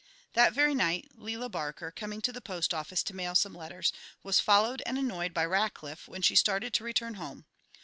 That very night Lela Barker, coming to the post office to mail some letters, was followed and annoyed by Rackliff when she started to return home.